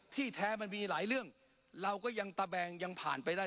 แท้มันมีหลายเรื่องเราก็ยังตะแบงยังผ่านไปได้